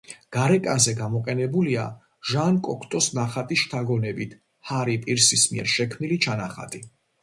გარეკანზე გამოყენებულია ჟან კოქტოს ნახატის შთაგონებით ჰარი პირსის მიერ შექმნილი ჩანახატი.